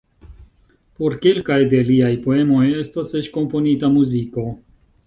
Por kelkaj de liaj poemoj estas eĉ komponita muziko.